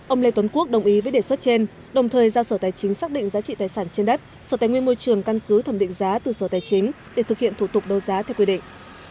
ông lê tuấn quốc đồng ý với đề xuất trên đồng thời giao sở tài chính xác định giá trị tài sản trên đất sở tài nguyên môi trường căn cứ thẩm định giá từ sở tài chính để thực hiện thủ tục đô giá theo quy định